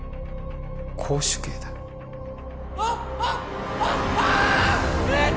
絞首刑だあっあっあー！